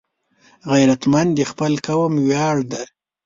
غیرتمند د خپل قوم ویاړ دی